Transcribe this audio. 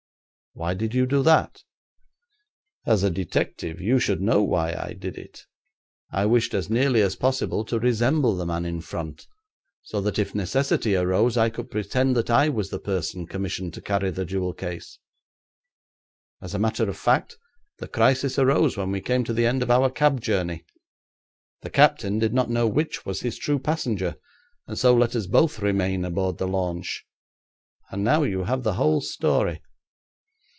'Why did you do that?' 'As a detective you should know why I did it. I wished as nearly as possible to resemble the man in front, so that if necessity arose I could pretend that I was the person commissioned to carry the jewel case. As a matter of fact, the crisis arose when we came to the end of our cab journey. The captain did not know which was his true passenger, and so let us both remain aboard the launch. And now you have the whole story.'